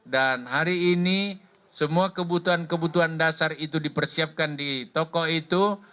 dan hari ini semua kebutuhan kebutuhan dasar itu dipersiapkan di toko itu